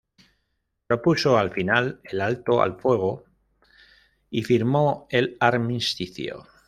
Propuso al final el alto al fuego y firmó el armisticio.